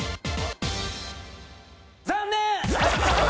残念！